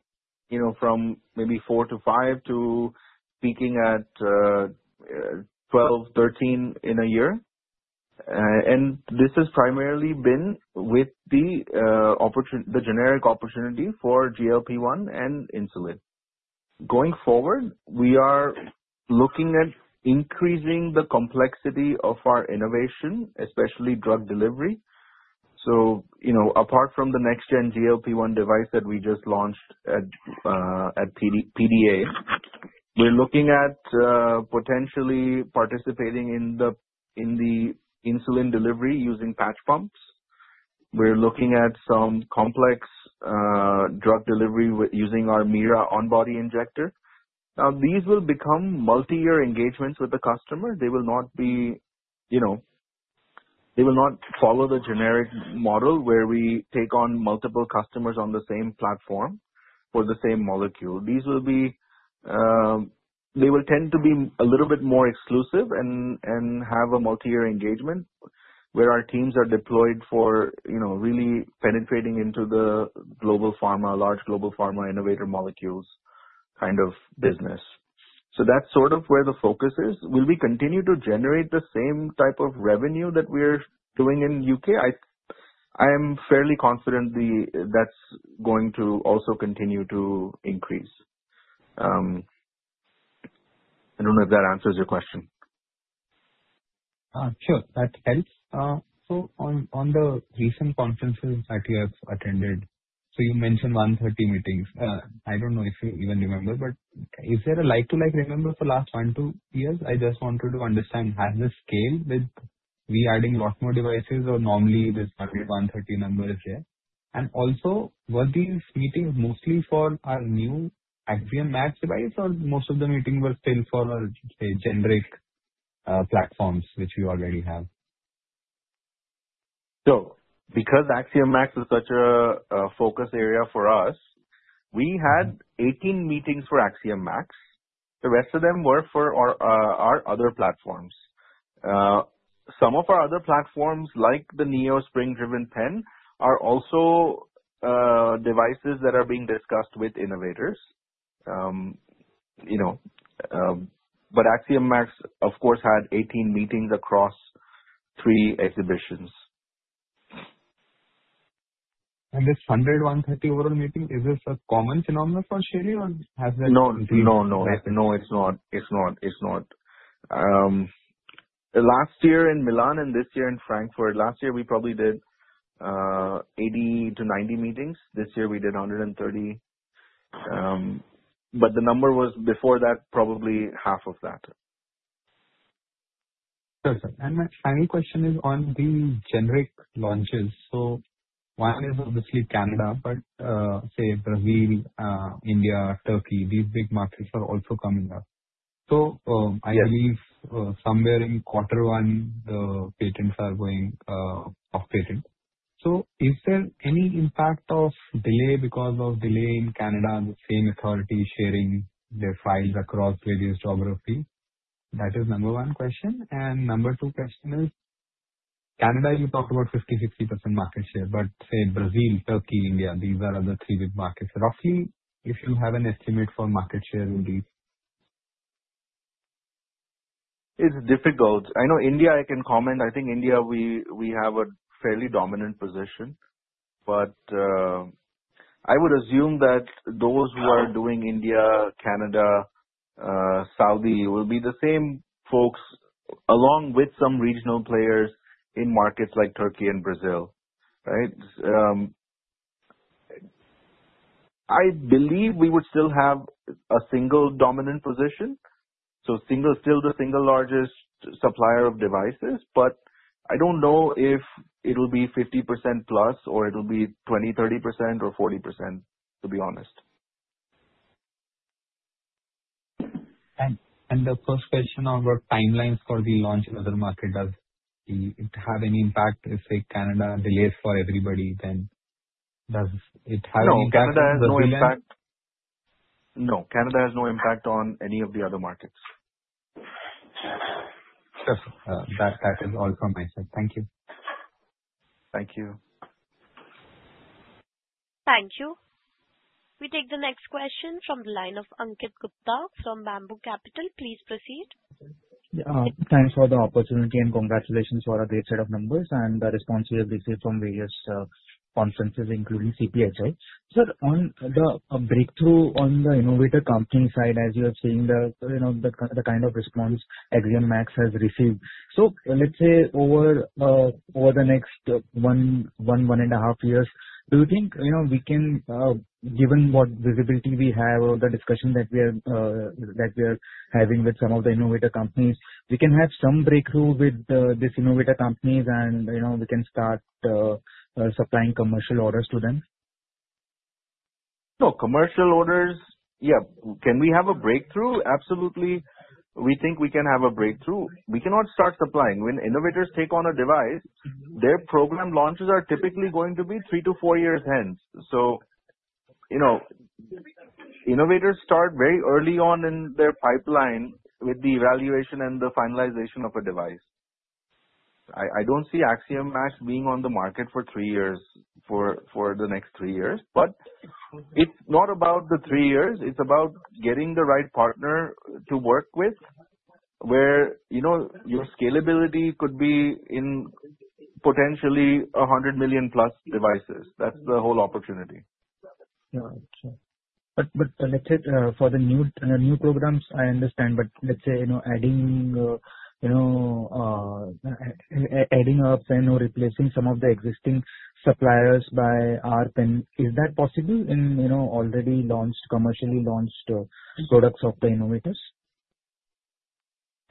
maybe four to five to peaking at 12, 13 in a year. This has primarily been with the generic opportunity for GLP-1 and insulin. Going forward, we are looking at increasing the complexity of our innovation, especially drug delivery. Apart from the next gen GLP-1 device that we just launched at PDA, we are looking at potentially participating in the insulin delivery using patch pumps. We are looking at some complex drug delivery using our Mira on-body injector. These will become multi-year engagements with the customer. They will not follow the generic model where we take on multiple customers on the same platform for the same molecule. They will tend to be a little bit more exclusive and have a multi-year engagement, where our teams are deployed for really penetrating into the large global pharma innovator molecules kind of business. That is sort of where the focus is. Will we continue to generate the same type of revenue that we are doing in U.K. I am fairly confident that is going to also continue to increase. I don't know if that answers your question. Sure, that helps. On the recent conferences that you have attended, you mentioned 130 meetings. I don't know if you even remember, is there a like-to-like remember for last one, two years? I just wanted to understand, has this scaled with we adding lot more devices or normally this 130 number is there. Were these meetings mostly for our new Axiom Max device or most of the meeting were still for our, say, generic platforms which we already have? Because Axiom Max is such a focus area for us, we had 18 meetings for Axiom Max. The rest of them were for our other platforms. Some of our other platforms, like the Neo spring-driven pen, are also devices that are being discussed with innovators. Axiom Max, of course, had 18 meetings across three exhibitions. This 100, 130 overall meeting, is this a common phenomenon for Shaily or has that- No, it's not. Last year in Milan and this year in Frankfurt. Last year, we probably did 80-90 meetings. This year we did 130. The number was before that, probably half of that. Sure, sir. My final question is on the generic launches. One is obviously Canada, but say Brazil, India, Turkey, these big markets are also coming up. I believe somewhere in quarter 1, the patents are going off patent. Is there any impact of delay because of delay in Canada, the same authority sharing their files across various geographies? That is number 1 question. Number 2 question is, Canada, you talked about 50%-60% market share, but say Brazil, Turkey, India, these are the three big markets. Roughly, if you have an estimate for market share in these? It's difficult. I know India, I can comment. I think India, we have a fairly dominant position. I would assume that those who are doing India, Canada, Saudi, will be the same folks, along with some regional players in markets like Turkey and Brazil, right? I believe we would still have a single dominant position. Still the single largest supplier of devices. I don't know if it'll be 50%+ or it'll be 20%-30% or 40%, to be honest. The first question on the timelines for the launch in other markets, does it have any impact if, say, Canada delays for everybody, then does it have any impact? No, Canada has no impact on any of the other markets. Sure, sir. That is all from my side. Thank you. Thank you. Thank you. We take the next question from the line of Ankit Gupta from Bamboo Capital. Please proceed. Yeah. Thanks for the opportunity and congratulations for a great set of numbers and the response you have received from various conferences, including CPHI. Sir, on the breakthrough on the innovator company side, as you are seeing the kind of response Axiom Max has received. Let's say over the next one and a half years, do you think we can, given what visibility we have or the discussion that we're having with some of the innovator companies, we can have some breakthrough with these innovator companies and we can start supplying commercial orders to them? No, commercial orders. Yeah. Can we have a breakthrough? Absolutely. We think we can have a breakthrough. We cannot start supplying. When innovators take on a device, their program launches are typically going to be three to four years hence. Innovators start very early on in their pipeline with the evaluation and the finalization of a device. I don't see Axiom Max being on the market for the next three years, but it's not about the three years, it's about getting the right partner to work with, where your scalability could be in potentially 100 million plus devices. That's the whole opportunity. Got you. Let's say for the new programs, I understand, but let's say adding up or replacing some of the existing suppliers by ARP, is that possible in already commercially launched products of the innovators?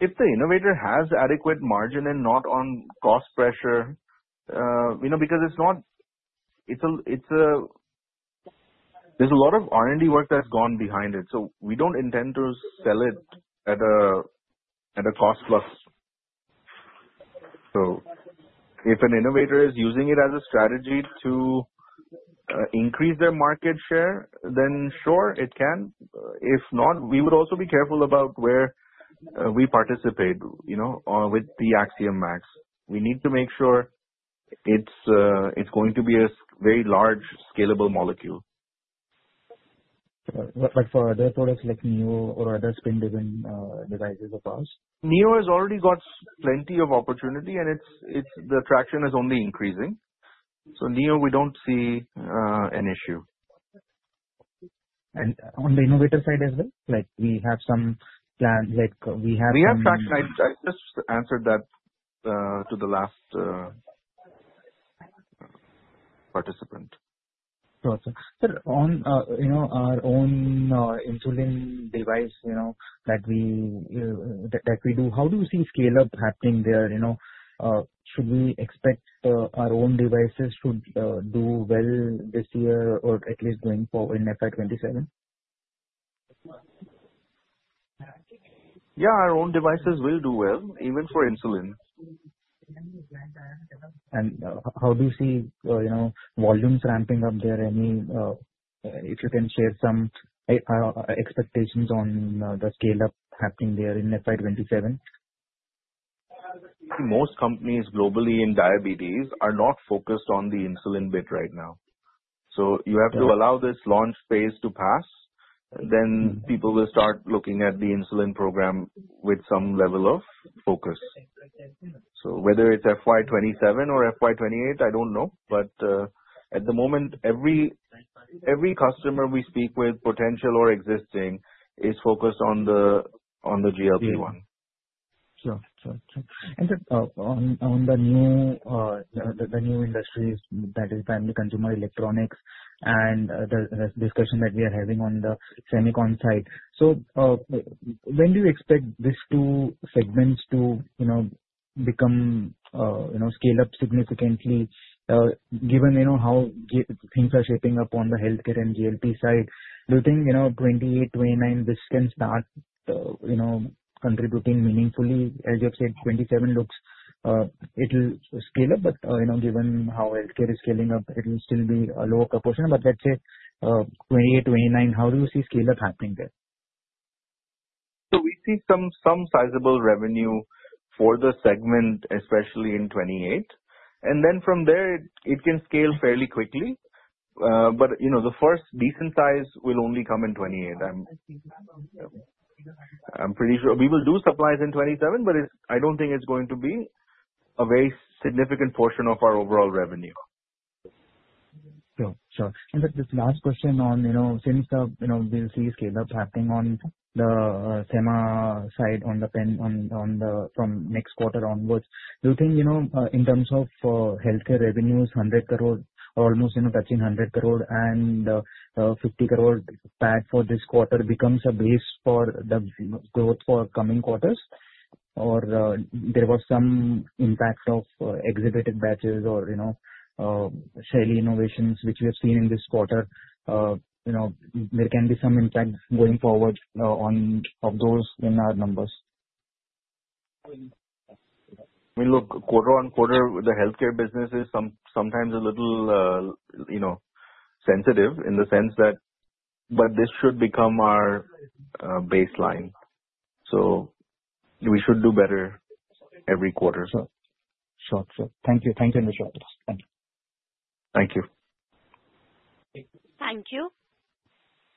If the innovator has adequate margin and not on cost pressure, because there's a lot of R&D work that's gone behind it. We don't intend to sell it at a cost plus. If an innovator is using it as a strategy to increase their market share, then sure, it can. If not, we would also be careful about where we participate with the Axiom Max. We need to make sure it's going to be a very large scalable molecule. For other products like Neo or other skin-driven devices of ours? Neo has already got plenty of opportunity, and the traction is only increasing. Neo, we don't see an issue. On the innovator side as well? Like we have some plans. We have traction. I just answered that to the last participant. Got you. Sir, on our own insulin device that we do, how do you see scale-up happening there? Should we expect our own devices to do well this year or at least going forward in FY 2027? Yeah, our own devices will do well, even for insulin. How do you see volumes ramping up there? If you can share some expectations on the scale-up happening there in FY 2027. Most companies globally in diabetes are not focused on the insulin bit right now. You have to allow this launch phase to pass, then people will start looking at the insulin program with some level of focus. Whether it is FY 2027 or FY 2028, I don't know. At the moment, every customer we speak with, potential or existing, is focused on the GLP-1. Sure. Sir, on the new industries, that is family consumer electronics and the discussion that we are having on the Semicon site. When do you expect these two segments to scale up significantly? Given how things are shaping up on the healthcare and GLP-1 side, do you think 2028, 2029, this can start contributing meaningfully? As you have said, 2027 looks it'll scale up, but given how healthcare is scaling up, it will still be a lower proportion. Let's say 2028, 2029, how do you see scale-up happening there? We see some sizable revenue for the segment, especially in 2028. Then from there it can scale fairly quickly. The first decent size will only come in 2028. I'm pretty sure we will do supplies in 2027, but I don't think it's going to be a very significant portion of our overall revenue. Sure. Just last question on, since we will see scale up happening on the semaglutide side from next quarter onwards. Do you think, in terms of healthcare revenues, 100 crore, almost touching 100 crore and 50 crore back for this quarter becomes a base for the growth for coming quarters? There was some impact of exhibited batches or Shaily Innovations, which we have seen in this quarter. There can be some impact going forward of those in our numbers. I mean, look, quarter-on-quarter, the healthcare business is sometimes a little sensitive in the sense that this should become our baseline. We should do better every quarter or so. Sure. Thank you. Thanks very much. Thank you. Thank you. Thank you.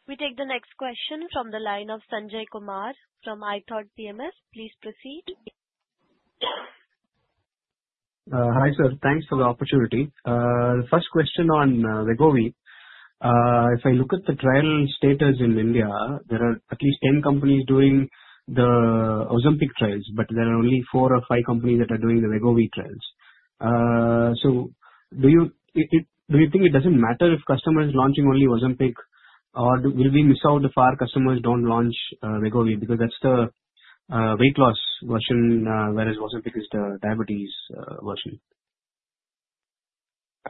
We take the next question from the line of Sanjay Kumar from ITOT BMS. Please proceed. Hi, sir. Thanks for the opportunity. First question on Wegovy. If I look at the trial status in India, there are at least 10 companies doing the Ozempic trials, but there are only four or five companies that are doing the Wegovy trials. Do you think it doesn't matter if customer is launching only Ozempic, or will we miss out if our customers don't launch Wegovy because that's the weight loss version, whereas Ozempic is the diabetes version?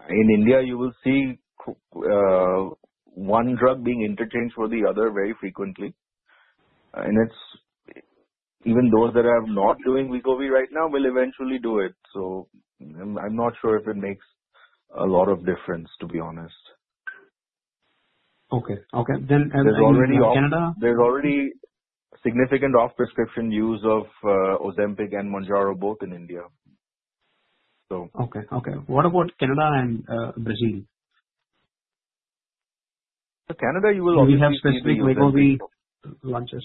In India, you will see one drug being interchanged for the other very frequently. Even those that are not doing Wegovy right now will eventually do it. I'm not sure if it makes a lot of difference, to be honest. Okay. There's already significant off-prescription use of Ozempic and Mounjaro both in India. Okay. What about Canada and Brazil? Canada, you will obviously see Will we have specific Wegovy launches?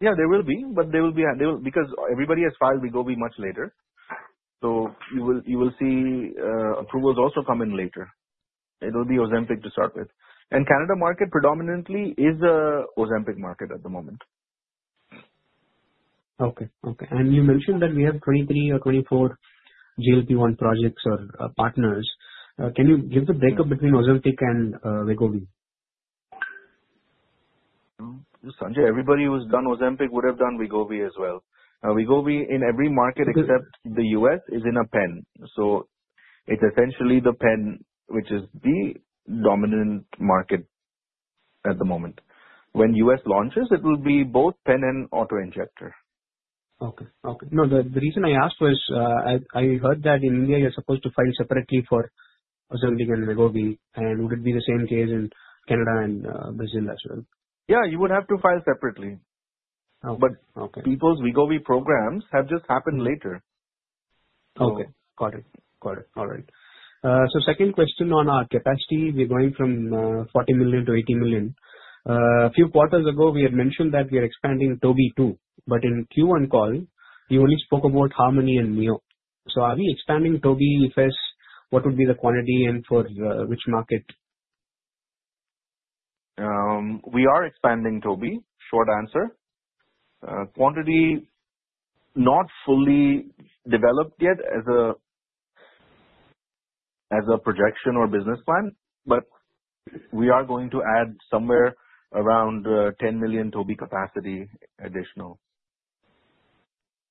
Yeah, there will be. Everybody has filed Wegovy much later. You will see approvals also come in later. It will be Ozempic to start with. Canada market predominantly is a Ozempic market at the moment. Okay. You mentioned that we have 23 or 24 GLP-1 projects or partners. Can you give the breakup between Ozempic and Wegovy? Sanjay, everybody who's done Ozempic would have done Wegovy as well. Wegovy in every market except the U.S. is in a pen. It's essentially the pen which is the dominant market at the moment. When U.S. launches, it will be both pen and auto-injector. Okay. No, the reason I asked was, I heard that in India you're supposed to file separately for Ozempic and Wegovy, and would it be the same case in Canada and Brazil as well? Yeah, you would have to file separately. Oh, okay. People's Wegovy programs have just happened later. Okay, got it. All right. Second question on our capacity. We're going from 40 million to 80 million. A few quarters ago, we had mentioned that we are expanding Tobi too. In Q1 call, you only spoke about Harmony and Myo. Are we expanding Tobi first? What would be the quantity and for which market? We are expanding Tobi, short answer. Quantity, not fully developed yet as a projection or business plan, but we are going to add somewhere around 10 million Tobi capacity additional.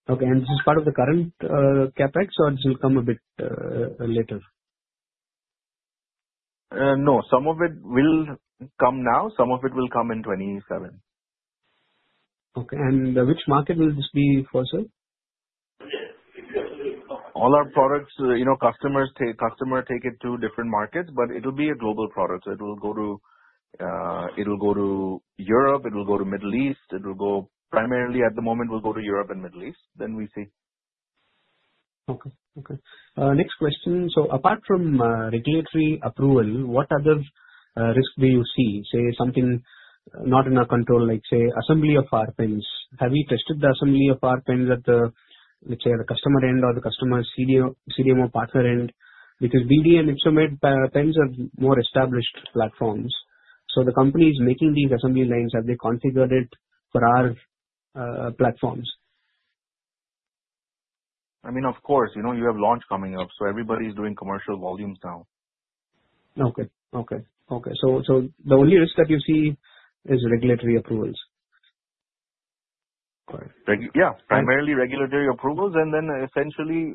Okay. This is part of the current CapEx, or this will come a bit later? No, some of it will come now, some of it will come in 2027. Okay. Which market will this be for, sir? All our products, customer take it to different markets, but it will be a global product. It will go to Europe, it will go to Middle East. We'll go to Europe and Middle East. We see. Okay. Next question. Apart from regulatory approval, what other risk do you see? Say, something not in our control like, say, assembly of our pens. Have you tested the assembly of our pens at the, let's say, the customer end or the customer's CDMO partner end? Because BD and Ypsomed pens are more established platforms. The companies making these assembly lines, have they configured it for our platforms? I mean, of course. You have launch coming up, so everybody's doing commercial volumes now Okay. The only risk that you see is regulatory approvals. Correct. Yeah. Primarily regulatory approvals and then essentially,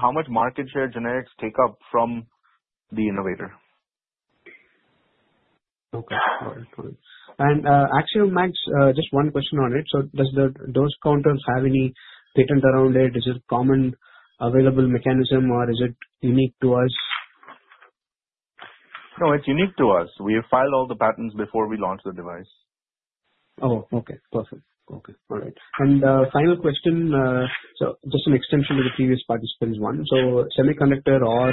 how much market share generics take up from the innovator. Okay. Got it. Actually, Max, just one question on it. Does those counters have any patent around it? Is it common available mechanism or is it unique to us? No, it's unique to us. We have filed all the patents before we launch the device. Okay. Perfect. All right. Final question, so just an extension to the previous participant's one. Semiconductor or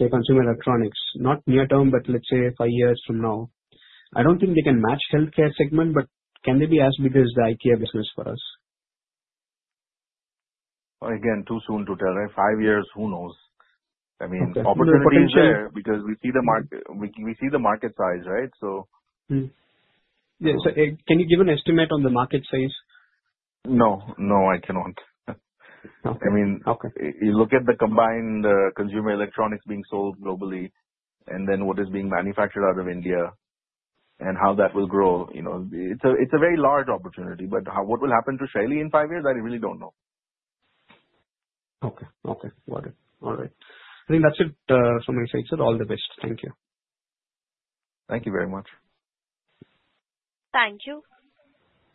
say consumer electronics, not near term, but let's say five years from now, I don't think they can match healthcare segment, but can they be as big as the IKEA business for us? Again, too soon to tell. Five years, who knows? Opportunity is there because we see the market size, right? Yes. Can you give an estimate on the market size? No, I cannot. Okay. You look at the combined consumer electronics being sold globally and then what is being manufactured out of India and how that will grow. It's a very large opportunity, but what will happen to Shaily in five years, I really don't know. Okay. Got it. All right. I think that's it from my side, sir. All the best. Thank you. Thank you very much. Thank you.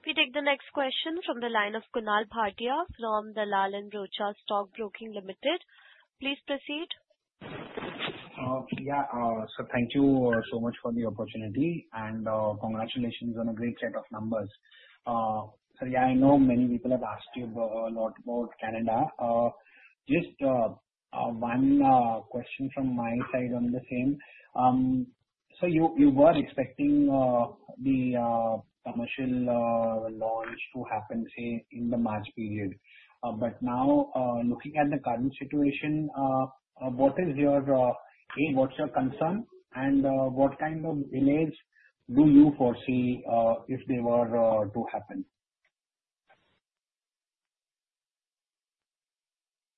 We take the next question from the line of Kunal Bhatia from Dalal & Broacha Stock Broking Limited. Please proceed. Sir, thank you so much for the opportunity, and congratulations on a great set of numbers. Sir, I know many people have asked you a lot about Canada. Just one question from my side on the same. You were expecting the commercial launch to happen, say, in the March period. Now, looking at the current situation, A, what's your concern, and what kind of delays do you foresee if they were to happen?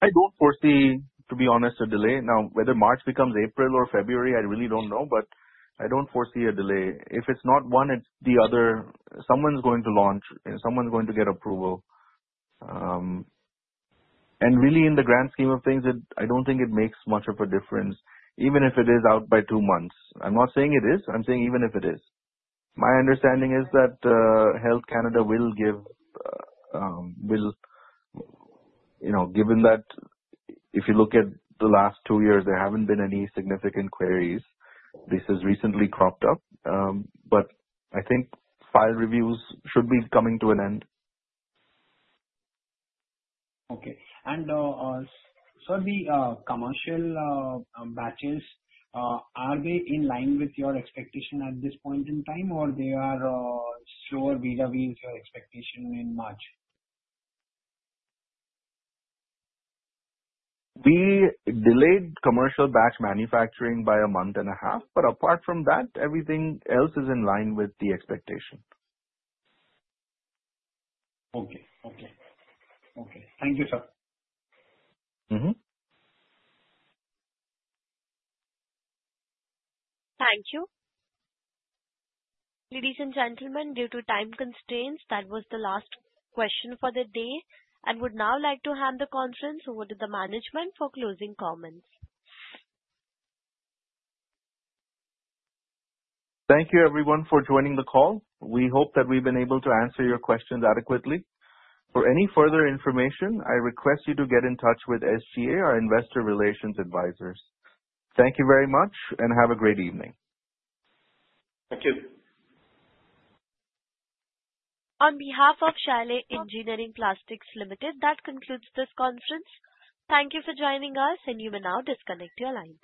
I don't foresee, to be honest, a delay. Whether March becomes April or February, I really don't know, but I don't foresee a delay. If it's not one, it's the other. Someone's going to launch and someone's going to get approval. Really, in the grand scheme of things, I don't think it makes much of a difference, even if it is out by two months. I'm not saying it is. I'm saying even if it is. My understanding is that Health Canada, given that if you look at the last two years, there haven't been any significant queries. This has recently cropped up. I think file reviews should be coming to an end. Okay. Sir, the commercial batches, are they in line with your expectation at this point in time, or they are slower vis-a-vis your expectation in March? We delayed commercial batch manufacturing by a month and a half, apart from that, everything else is in line with the expectation. Okay. Thank you, sir. Thank you. Ladies and gentlemen, due to time constraints, that was the last question for the day. I would now like to hand the conference over to the management for closing comments. Thank you everyone for joining the call. We hope that we've been able to answer your questions adequately. For any further information, I request you to get in touch with SGA, our investor relations advisors. Thank you very much and have a great evening. Thank you. On behalf of Shaily Engineering Plastics Limited, that concludes this conference. Thank you for joining us, and you may now disconnect your lines.